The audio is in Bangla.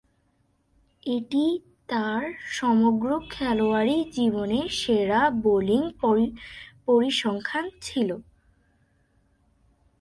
এটিই তার সমগ্র খেলোয়াড়ী জীবনে সেরা বোলিং পরিসংখ্যান ছিল।